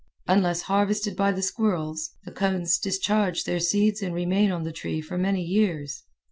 Unless harvested by the squirrels, the cones discharge their seed and remain on the tree for many years.